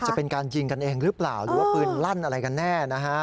จะเป็นการยิงกันเองหรือเปล่าหรือว่าปืนลั่นอะไรกันแน่นะฮะ